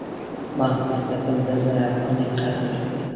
ما احمد ته پنځه زره افغانۍ قرض ورکړې.